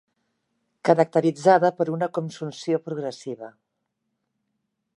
Caracteritzada per una consumpció progressiva.